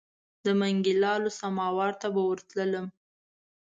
د منګي لالو سماوار ته به ورتللم.